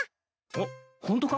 おっホントか？